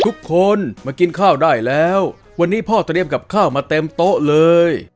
ทุกคนมากินข้าวได้แล้ววันนี้พ่อเตรียมกับข้าวมาเต็มโต๊ะเลย